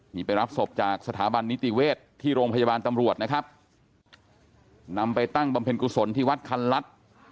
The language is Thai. นี่ไปรับศพจากสถาบันนิติเวศที่โรงพยาบาลตำรวจนะครับนำไปตั้งบำเพ็ญกุศลที่วัดคันรัฐ